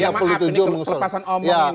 ya maaf ini terpaksa omong nih